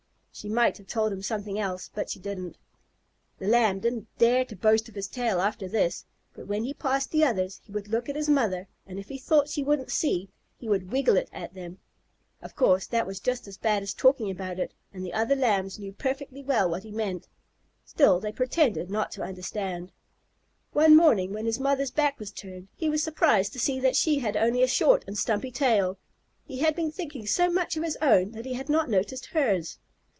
She might have told him something else, but she didn't. The Lamb didn't dare to boast of his tail after this, but when he passed the others, he would look at his mother, and if he thought she wouldn't see, he would wiggle it at them. Of course that was just as bad as talking about it, and the other Lambs knew perfectly well what he meant; still, they pretended not to understand. One morning, when his mother's back was turned, he was surprised to see that she had only a short and stumpy tail. He had been thinking so much of his own that he had not noticed hers.